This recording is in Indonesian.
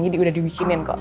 jadi udah diwikinin kok